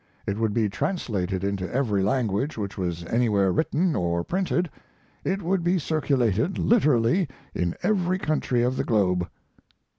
It would be translated into every language which was anywhere written or printed; it would be circulated literally in every country of the globe.